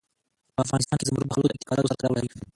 په افغانستان کې زمرد د خلکو د اعتقاداتو سره تړاو لري.